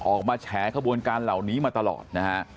แฉขบวนการเหล่านี้มาตลอดนะฮะ